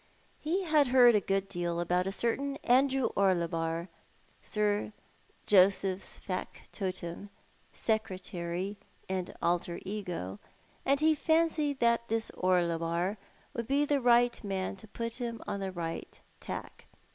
He had heard a good deal about a certain Andrew Orlebar, Sir Joseph's factotum, secretary, and alter ego; and he fancied that this Orlebar would be the right man to put him on the right tack.